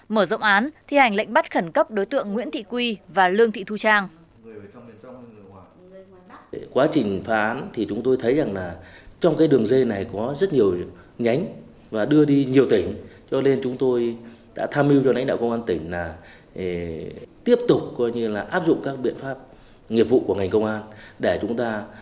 mở rộng án thi hành lệnh bắt khẩn cấp đối tượng nguyễn thị quy và lương thị thu trang